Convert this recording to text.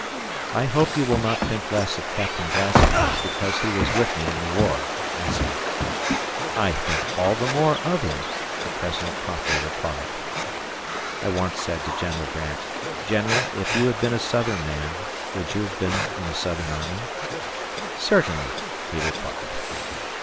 "I hope you will not think less of Captain Glasscock because he was with me in the war," I said. "I think all the more of him," the President promptly replied. I once said to General Grant, "General, if you had been a Southern man, would you have been in the Southern army?" "Certainly," he replied.